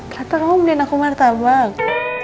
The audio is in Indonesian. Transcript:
kata kamu beliin aku martabak